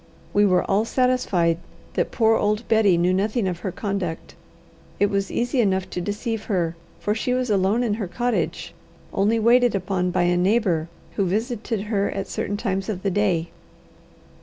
We were all satisfied that poor old Betty knew nothing of her conduct. It was easy enough to deceive her, for she was alone in her cottage, only waited upon by a neighbour who visited her at certain times of the day.